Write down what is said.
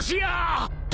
［って